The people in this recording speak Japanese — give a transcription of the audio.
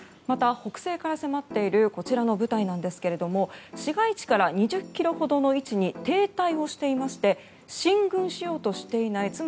また北西から迫っているこちらの部隊ですが市街地から２０ｋｍほどの位置に停滞をしていまして進軍しようとしていない